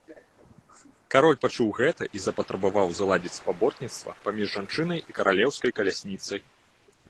Кароль пачуў гэта і запатрабаваў зладзіць спаборніцтва паміж жанчынай і каралеўскай калясніцай.